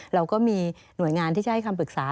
เราก็มีหน่วยงานที่จะให้คำปรึกษา